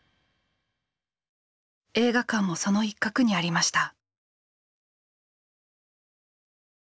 映画館もその一角にありました。